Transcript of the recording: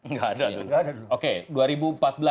nggak ada dulu